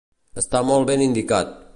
Està molt ben indicat.